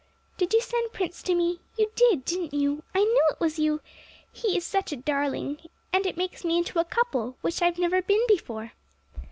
'Did you send Prince to me? You did, didn't you? I knew it was you! He is such a darling, and it makes me into a couple which I've never been before.'